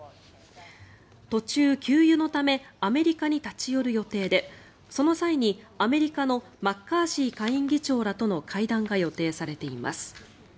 途中、給油のためアメリカに立ち寄る予定でその際に、アメリカのマッカーシー下院議長らとの会談が予定されています。